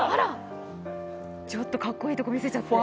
ちょっとかっこいいとこ見せちゃって。